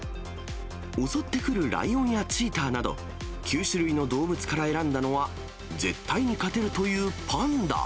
襲ってくるライオンやチーターなど、９種類の動物から選んだのは、絶対に勝てるというパンダ。